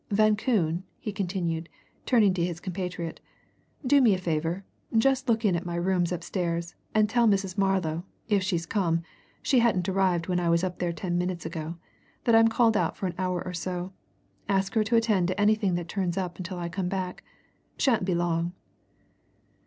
Van Koon," he continued, turning to his compatriot, "do me a favour just look in at my rooms upstairs, and tell Mrs. Marlow, if she's come she hadn't arrived when I was up there ten minutes ago that I'm called out for an hour or so ask her to attend to anything that turns up until I come back shan't be long."